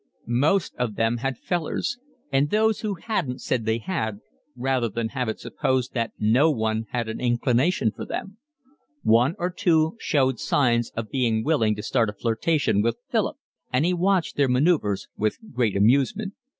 Most of them had 'fellers,' and those who hadn't said they had rather than have it supposed that no one had an inclination for them. One or two showed signs of being willing to start a flirtation with Philip, and he watched their manoeuvres with grave amusement.